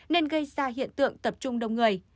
nên gây ra hiện tượng tập trung đông người